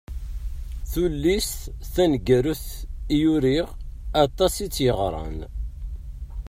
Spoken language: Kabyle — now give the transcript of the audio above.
Tullist taneggarut i uriɣ aṭas i tt-yeɣran.